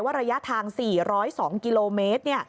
ระยะทาง๔๐๒กิโลเมตร